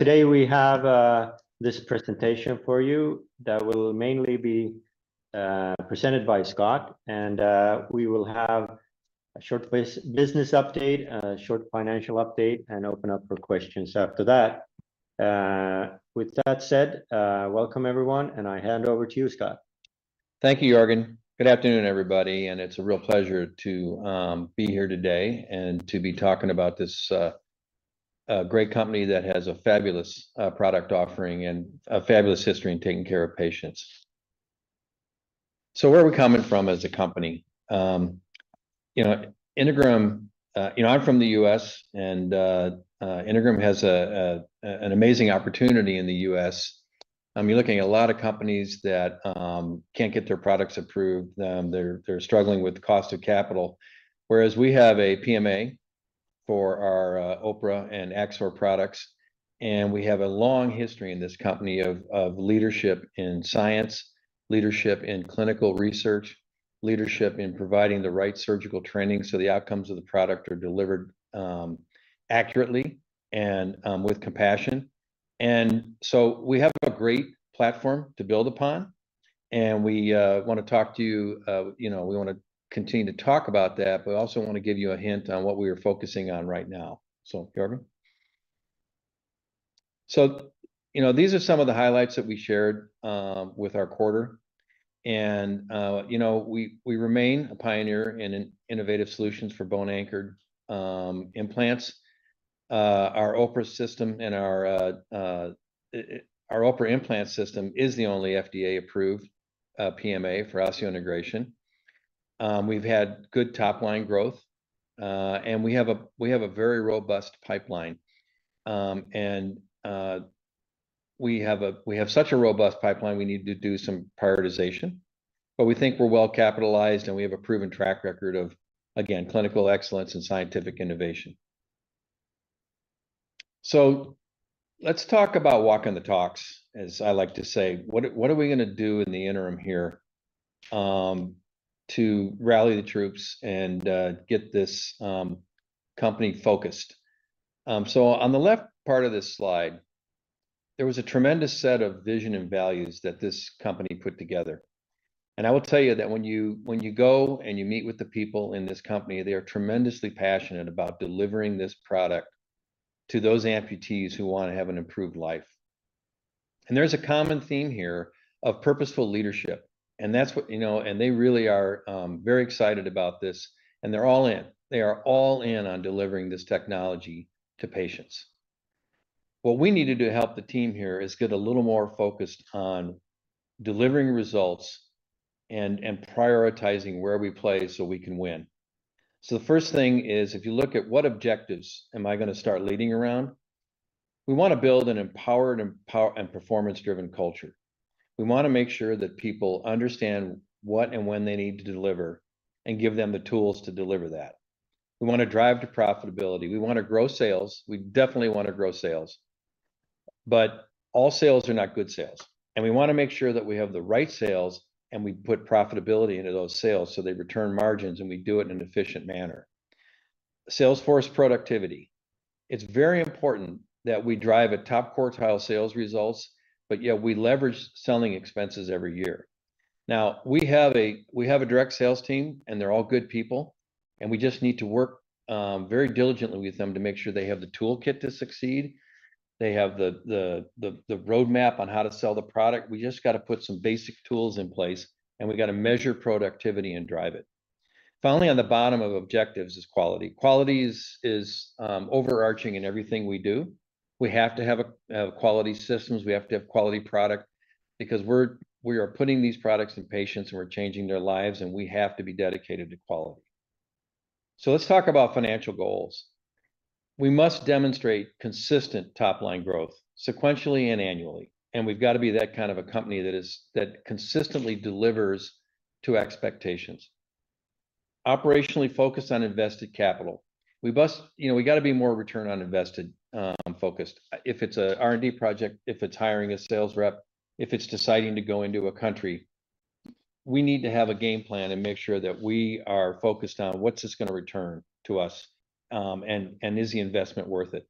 Today we have this presentation for you that will mainly be presented by Scott, and we will have a short business update, a short financial update, and open up for questions after that. With that said, welcome everyone, and I hand over to you, Scott. Thank you, Jörgen. Good afternoon, everybody, and it's a real pleasure to be here today and to be talking about this great company that has a fabulous product offering and a fabulous history in taking care of patients. So where are we coming from as a company? You know, Integrum, you know, I'm from the US, and Integrum has an amazing opportunity in the US. I mean, you're looking at a lot of companies that can't get their products approved, they're struggling with cost of capital. Whereas we have a PMA for our OPRA and Axor products, and we have a long history in this company of leadership in science, leadership in clinical research, leadership in providing the right surgical training so the outcomes of the product are delivered accurately and with compassion. And so we have a great platform to build upon, and we wanna talk to you, you know, we wanna continue to talk about that, but we also wanna give you a hint on what we are focusing on right now. So, Jörgen? So, you know, these are some of the highlights that we shared with our quarter, and you know, we remain a pioneer in innovative solutions for bone-anchored implants. Our OPRA system and our OPRA implant system is the only FDA-approved PMA for osseointegration. We've had good top-line growth, and we have a very robust pipeline. And we have such a robust pipeline. We need to do some prioritization, but we think we're well-capitalized, and we have a proven track record of, again, clinical excellence and scientific innovation. So let's talk about walking the talks, as I like to say. What are we gonna do in the interim here to rally the troops and get this company focused? So on the left part of this slide, there was a tremendous set of vision and values that this company put together, and I will tell you that when you go and you meet with the people in this company, they are tremendously passionate about delivering this product to those amputees who wanna have an improved life. And there's a common theme here of purposeful leadership, and that's what you know. And they really are very excited about this, and they're all in. They are all in on delivering this technology to patients. What we needed to help the team here is get a little more focused on delivering results and prioritizing where we play so we can win. So the first thing is, if you look at what objectives am I gonna start leading around? We wanna build an empowered and performance-driven culture. We wanna make sure that people understand what and when they need to deliver, and give them the tools to deliver that. We wanna drive to profitability. We wanna grow sales. We definitely wanna grow sales, but all sales are not good sales, and we wanna make sure that we have the right sales, and we put profitability into those sales, so they return margins, and we do it in an efficient manner. Sales force productivity. It's very important that we drive a top-quartile sales results, but yet we leverage selling expenses every year. Now, we have a direct sales team, and they're all good people, and we just need to work very diligently with them to make sure they have the toolkit to succeed, they have the roadmap on how to sell the product. We just got to put some basic tools in place, and we've got to measure productivity and drive it. Finally, on the bottom of objectives is quality. Quality is overarching in everything we do. We have to have a quality systems, we have to have quality product, because we're putting these products in patients, and we're changing their lives, and we have to be dedicated to quality. So let's talk about financial goals. We must demonstrate consistent top-line growth, sequentially and annually, and we've got to be that kind of a company that consistently delivers to expectations. Operationally, focus on invested capital. We must — you know, we got to be more return on invested focused. If it's a R&D project, if it's hiring a sales rep, if it's deciding to go into a country, we need to have a game plan and make sure that we are focused on what's this gonna return to us, and is the investment worth it?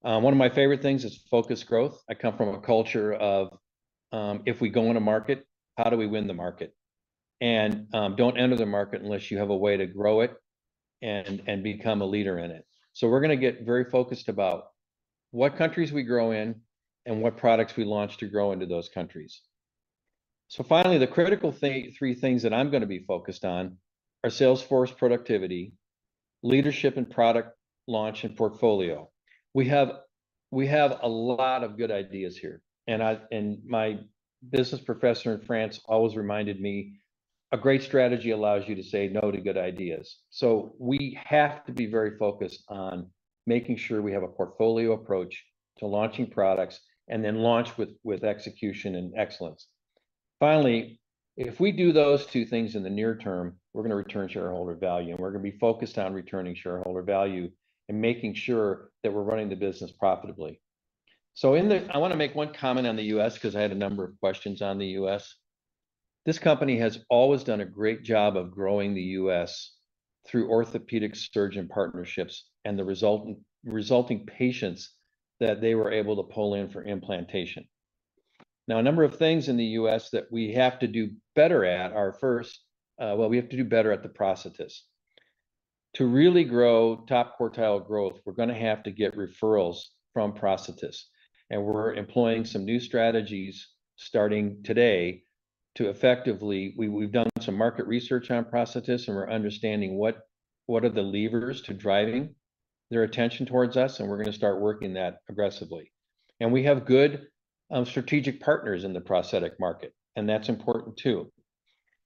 One of my favorite things is focused growth. I come from a culture of, if we go in a market, how do we win the market? And don't enter the market unless you have a way to grow it and become a leader in it. So we're gonna get very focused about what countries we grow in and what products we launch to grow into those countries. So finally, the critical thing — three things that I'm gonna be focused on are sales force productivity, leadership, and product launch and portfolio. We have a lot of good ideas here, and my business professor in France always reminded me, "A great strategy allows you to say no to good ideas." So we have to be very focused on making sure we have a portfolio approach to launching products, and then launch with execution and excellence. Finally, if we do those two things in the near term, we're gonna return shareholder value, and we're gonna be focused on returning shareholder value and making sure that we're running the business profitably. I wanna make one comment on the US because I had a number of questions on the US. This company has always done a great job of growing the US through orthopedic surgeon partnerships, and the resulting patients that they were able to pull in for implantation. Now, a number of things in the US that we have to do better at are, first, we have to do better at the prosthetists. To really grow top quartile growth, we're gonna have to get referrals from prosthetists, and we're employing some new strategies starting today to effectively. We've done some market research on prosthetists, and we're understanding what are the levers to driving their attention towards us, and we're gonna start working that aggressively. And we have good strategic partners in the prosthetic market, and that's important, too.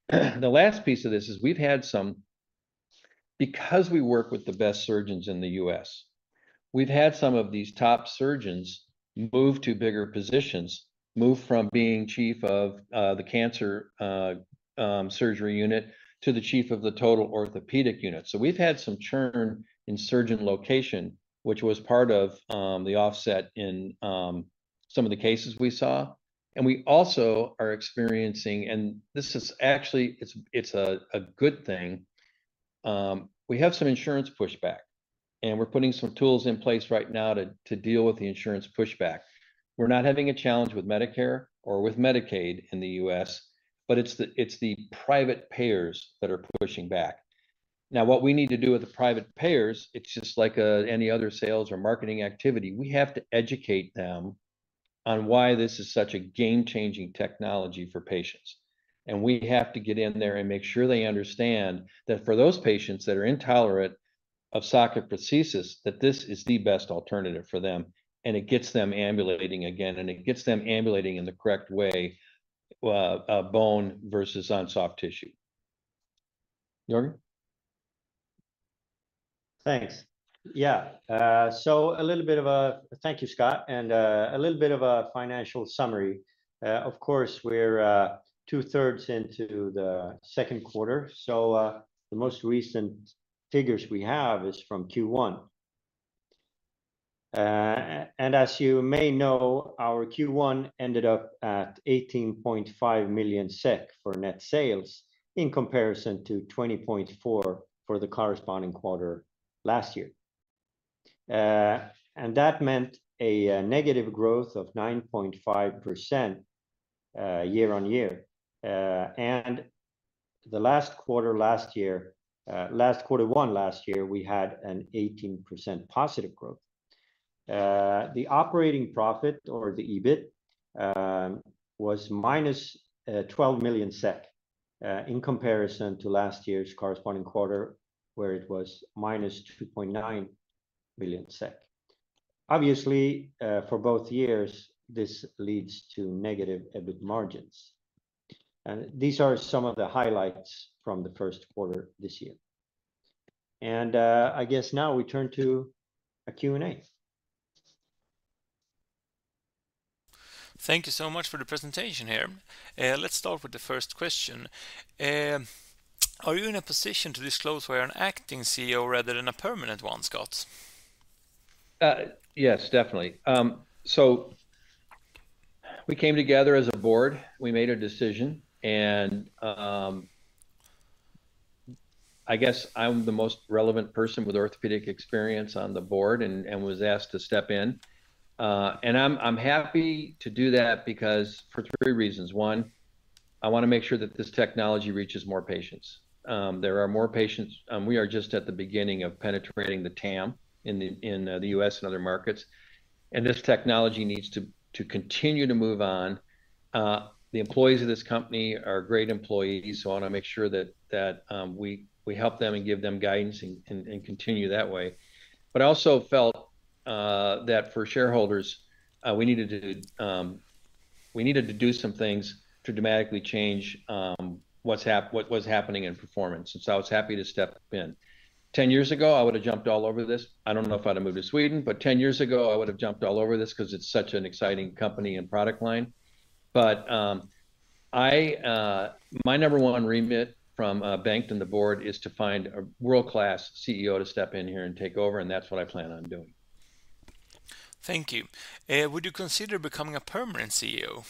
The last piece of this is we've had some. Because we work with the best surgeons in the US, we've had some of these top surgeons move to bigger positions, move from being chief of the cancer surgery unit to the chief of the total orthopedic unit. So we've had some churn in surgeon location, which was part of the offset in some of the cases we saw. And we also are experiencing, and this is actually a good thing, we have some insurance pushback, and we're putting some tools in place right now to deal with the insurance pushback. We're not having a challenge with Medicare or with Medicaid in the US, but it's the private payers that are pushing back. Now, what we need to do with the private payers, it's just like, any other sales or marketing activity, we have to educate them on why this is such a game-changing technology for patients. And we have to get in there and make sure they understand that for those patients that are intolerant of socket prosthesis, that this is the best alternative for them, and it gets them ambulating again, and it gets them ambulating in the correct way, bone versus on soft tissue. Jörgen? Thanks. Yeah, so a little bit of a — thank you, Scott, and a little bit of a financial summary. Of course, we're two-thirds into Q2, so the most recent figures we have is from Q1. And as you may know, our Q1 ended up at 18.5 million SEK for net sales, in comparison to 20.4 million for the corresponding quarter last year. And that meant a negative growth of 9.5% year on year. And the last quarter last year — last Q1 last year, we had an 18% positive growth. The operating profit, or the EBIT, was minus 12 million SEK, in comparison to last year's corresponding quarter, where it was minus 2.9 million SEK. Obviously, for both years, this leads to negative EBIT margins. These are some of the highlights from Q1 this year. I guess now we turn to our Q&A. Thank you so much for the presentation here. Let's start with the first question: Are you in a position to disclose why you're an acting CEO rather than a permanent one, Scott? Yes, definitely. So we came together as a board, we made a decision, and I guess I'm the most relevant person with orthopedic experience on the board and was asked to step in. And I'm happy to do that because for three reasons. One, I want to make sure that this technology reaches more patients. There are more patients... We are just at the beginning of penetrating the TAM in the U.S. and other markets, and this technology needs to continue to move on. The employees of this company are great employees, so I want to make sure that we help them and give them guidance and continue that way. But I also felt that for shareholders we needed to do some things to dramatically change what was happening in performance, and so I was happy to step in. Ten years ago, I would've jumped all over this. I don't know if I'd have moved to Sweden, but ten years ago, I would've jumped all over this 'cause it's such an exciting company and product line. But my number one remit from Bengt and the board is to find a world-class CEO to step in here and take over, and that's what I plan on doing. Thank you. Would you consider becoming a permanent CEO?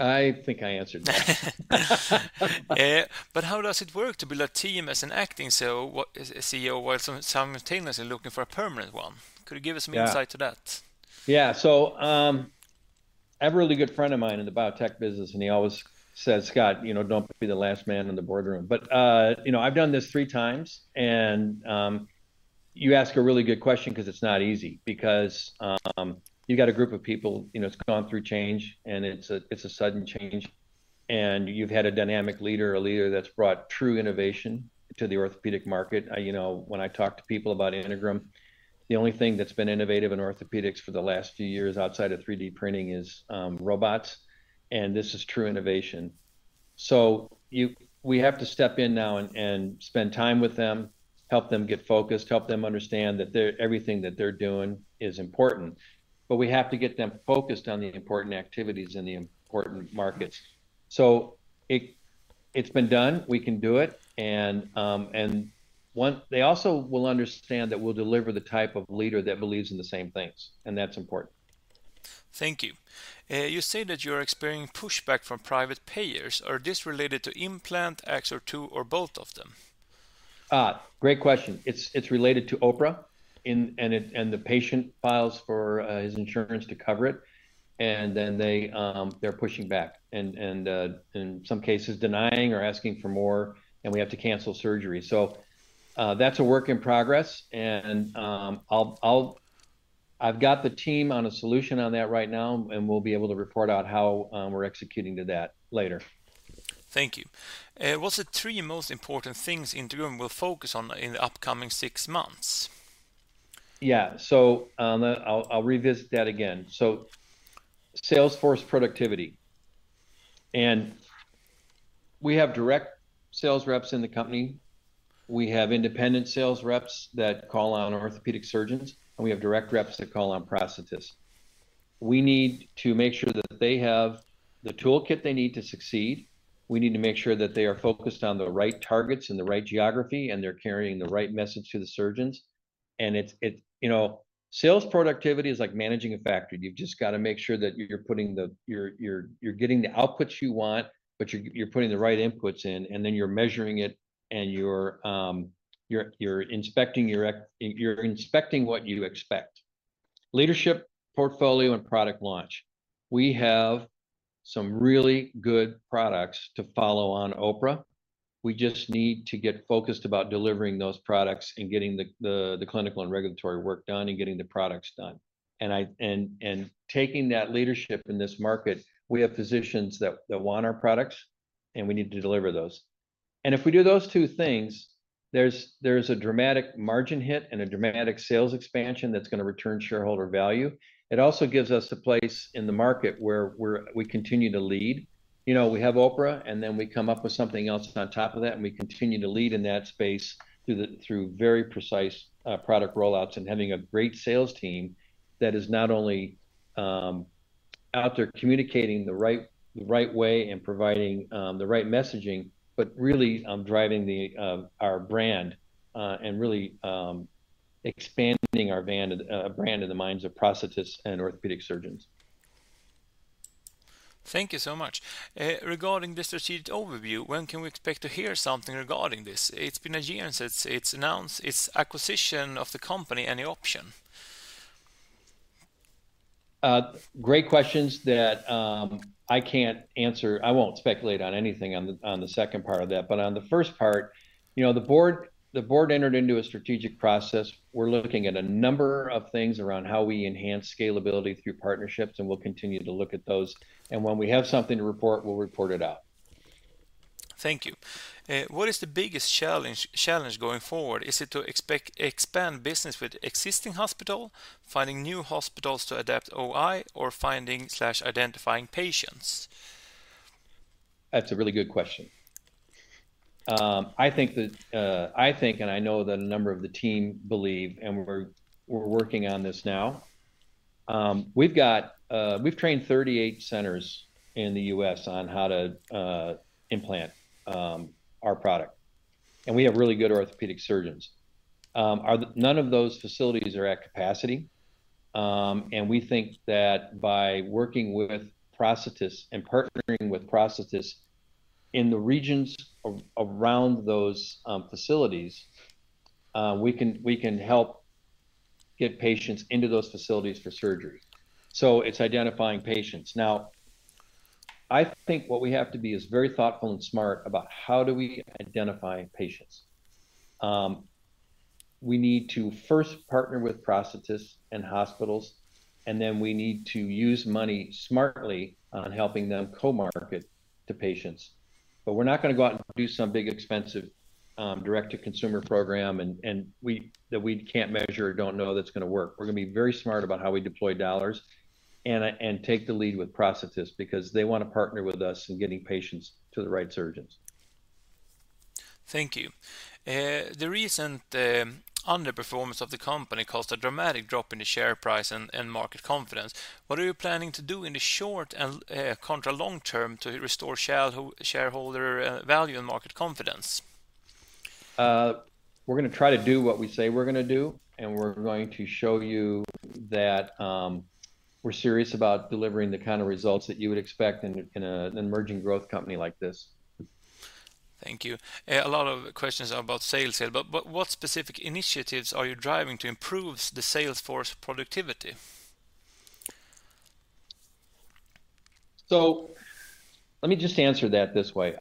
I think I answered that. But how does it work to build a team as an acting CEO while simultaneously looking for a permanent one? Could you give us some insight to that? Yeah Yeah. So, I have a really good friend of mine in the biotech business, and he always says, "Scott, you know, don't be the last man in the boardroom." But, you know, I've done this three times, and you ask a really good question 'cause it's not easy. Because, you got a group of people, you know, that's gone through change, and it's a sudden change, and you've had a dynamic leader, a leader that's brought true innovation to the orthopedic market. You know, when I talk to people about Integrum, the only thing that's been innovative in orthopedics for the last few years, outside of 3D printing, is robots, and this is true innovation. So we have to step in now and spend time with them, help them get focused, help them understand that everything that they're doing is important. But we have to get them focused on the important activities and the important markets. So it's been done. We can do it. They also will understand that we'll deliver the type of leader that believes in the same things, and that's important.... Thank you. You say that you're experiencing pushback from private payers. Is this related to implant, Axor II, or both of them? Ah, great question. It's related to OPRA and the patient files for his insurance to cover it, and then they're pushing back, and in some cases, denying or asking for more, and we have to cancel surgery. So, that's a work in progress, and I've got the team on a solution on that right now, and we'll be able to report out how we're executing to that later. Thank you. What's the three most important things Integrum will focus on in the upcoming six months? Yeah, so, I'll revisit that again, so sales force productivity, and we have direct sales reps in the company, we have independent sales reps that call on orthopedic surgeons, and we have direct reps that call on prosthetists. We need to make sure that they have the toolkit they need to succeed. We need to make sure that they are focused on the right targets and the right geography, and they're carrying the right message to the surgeons, and it's. You know, sales productivity is like managing a factory. You've just got to make sure that you're putting the, you're getting the outputs you want, but you're putting the right inputs in, and then you're measuring it, and you're inspecting what you expect. Leadership, portfolio, and product launch. We have some really good products to follow on OPRA. We just need to get focused about delivering those products and getting the clinical and regulatory work done and getting the products done. And taking that leadership in this market, we have physicians that want our products, and we need to deliver those. And if we do those two things, there's a dramatic margin hit and a dramatic sales expansion that's going to return shareholder value. It also gives us a place in the market where we continue to lead. You know, we have OPRA, and then we come up with something else on top of that, and we continue to lead in that space through very precise product rollouts and having a great sales team that is not only out there communicating the right way and providing the right messaging, but really driving our brand and really expanding our brand in the minds of prosthetists and orthopedic surgeons. Thank you so much. Regarding the strategic overview, when can we expect to hear something regarding this? It's been a year since it's announced. Is acquisition of the company any option? Great questions that I can't answer. I won't speculate on anything on the second part of that. But on the first part, you know, the board entered into a strategic process. We're looking at a number of things around how we enhance scalability through partnerships, and we'll continue to look at those. And when we have something to report, we'll report it out. Thank you. What is the biggest challenge going forward? Is it to expand business with existing hospital, finding new hospitals to adapt OI, or finding or identifying patients? That's a really good question. I think that, I think, and I know that a number of the team believe, and we're working on this now. We've trained 38 centers in the US on how to implant our product, and we have really good orthopedic surgeons. None of those facilities are at capacity, and we think that by working with prosthetists and partnering with prosthetists in the regions around those facilities, we can help get patients into those facilities for surgery. It's identifying patients. Now, I think what we have to be is very thoughtful and smart about how do we identify patients. We need to first partner with prosthetists and hospitals, and then we need to use money smartly on helping them co-market to patients. But we're not going to go out and do some big, expensive, direct-to-consumer program, and that we can't measure or don't know that's going to work. We're going to be very smart about how we deploy dollars and take the lead with prosthetists because they want to partner with us in getting patients to the right surgeons. Thank you. The recent underperformance of the company caused a dramatic drop in the share price and market confidence. What are you planning to do in the short and long term to restore shareholder value and market confidence? We're going to try to do what we say we're going to do, and we're going to show you that we're serious about delivering the kind of results that you would expect in an emerging growth company like this. Thank you. A lot of questions are about sales here, but what specific initiatives are you driving to improve the sales force productivity? So let me just answer that this way.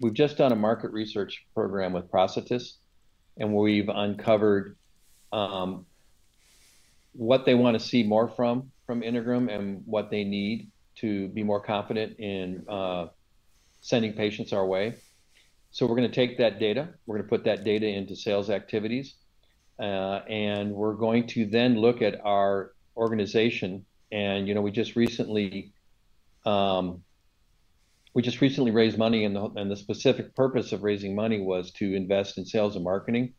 We've just done a market research program with prosthetists, and we've uncovered what they want to see more from Integrum and what they need to be more confident in sending patients our way, so we're going to take that data, we're going to put that data into sales activities, and we're going to then look at our organization, and you know, we just recently raised money, and the specific purpose of raising money was to invest in sales and marketing,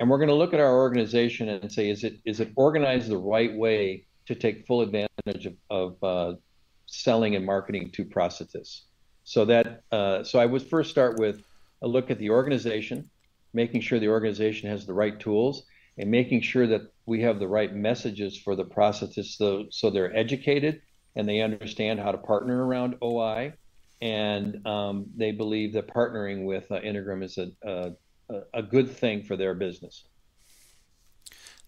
and we're going to look at our organization and say: Is it organized the right way to take full advantage of selling and marketing to prosthetists? So that, I would first start with a look at the organization. making sure the organization has the right tools, and making sure that we have the right messages for the prosthetists, so they're educated, and they understand how to partner around OI, and they believe that partnering with Integrum is a good thing for their business.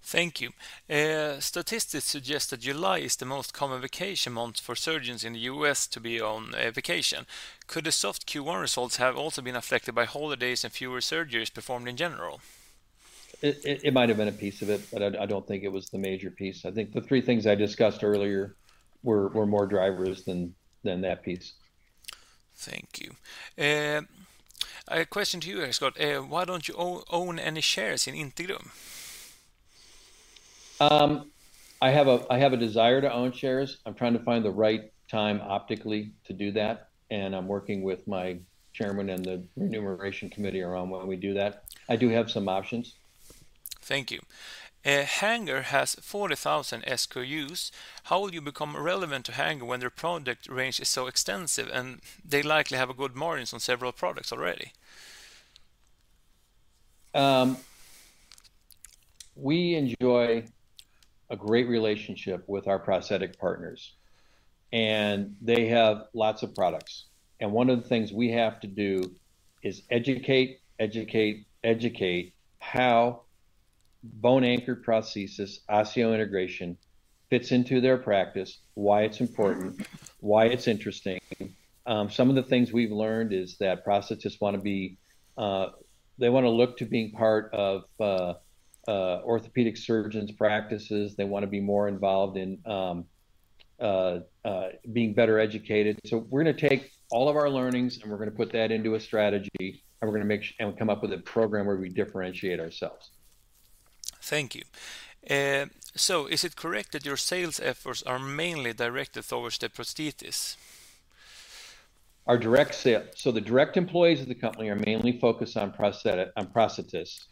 Thank you. Statistics suggest that July is the most common vacation month for surgeons in the US to be on a vacation. Could the soft Q1 results have also been affected by holidays and fewer surgeries performed in general? It might have been a piece of it, but I don't think it was the major piece. I think the three things I discussed earlier were more drivers than that piece. Thank you. A question to you, Scott. Why don't you own any shares in Integrum? I have a desire to own shares. I'm trying to find the right time opportunistically to do that, and I'm working with my chairman and the remuneration committee around when we do that. I do have some options. Thank you. Hanger has 40,000 SKUs. How will you become relevant to Hanger when their product range is so extensive, and they likely have a good margins on several products already? We enjoy a great relationship with our prosthetic partners, and they have lots of products, and one of the things we have to do is educate, educate, educate, how bone-anchored prosthesis, osseointegration, fits into their practice, why it's important. Mm-hmm. Why it's interesting. Some of the things we've learned is that prosthetists wanna be. They wanna look to being part of orthopedic surgeons' practices. They wanna be more involved in being better educated. So we're gonna take all of our learnings, and we're gonna put that into a strategy, and we're gonna make sure and come up with a program where we differentiate ourselves. Thank you. So, is it correct that your sales efforts are mainly directed toward the prosthetists? Our direct sale. So the direct employees of the company are mainly focused on prosthetists.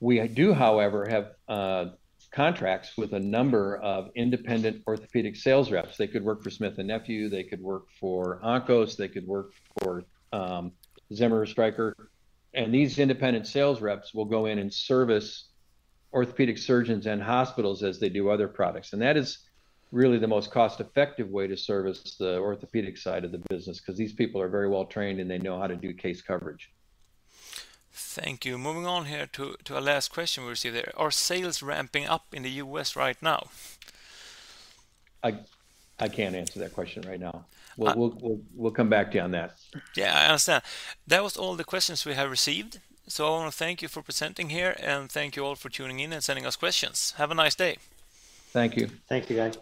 We do, however, have contracts with a number of independent orthopedic sales reps. They could work for Smith & Nephew, they could work for Onkos, they could work for Zimmer or Stryker. And these independent sales reps will go in and service orthopedic surgeons and hospitals as they do other products, and that is really the most cost-effective way to service the orthopedic side of the business, 'cause these people are very well trained, and they know how to do case coverage. Thank you. Moving on here to our last question we received there. Are sales ramping up in the US right now? I can't answer that question right now. We'll come back to you on that. Yeah, I understand. That was all the questions we have received, so I wanna thank you for presenting here, and thank you all for tuning in and sending us questions. Have a nice day. Thank you. Thank you, guys.